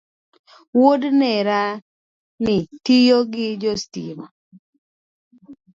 Wuod nerani tiyo gi jo sitima